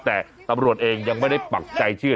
แต่ตำรวจเองยังไม่ได้ปักใจเชื่อ